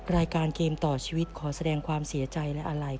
รายการเกมต่อชีวิตขอแสดงความเสียใจและอาลัย